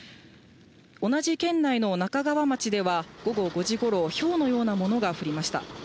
同じ県内の那珂川町では午後５時ごろ、ひょうのようなものが降りました。